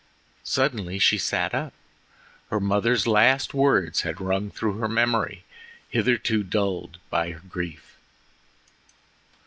Suddenly she sat up. Her mother's last words had rung through her memory hitherto dulled by grief.